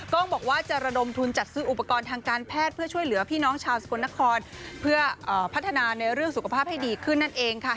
ก็บอกว่าจะระดมทุนจัดซื้ออุปกรณ์ทางการแพทย์เพื่อช่วยเหลือพี่น้องชาวสกลนครเพื่อพัฒนาในเรื่องสุขภาพให้ดีขึ้นนั่นเองค่ะ